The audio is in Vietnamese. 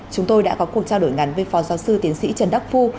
chúng tôi đã có cuộc trao đổi ngắn với phó giáo sư tiến sĩ trần đắc phu